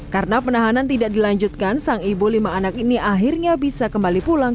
karena penahanan tidak dilanjutkan sang ibu lima anak ini akhirnya bisa kembali pulang